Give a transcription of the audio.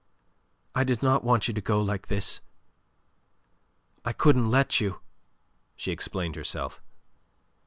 "I did not want you to go like this. I couldn't let you," she explained herself.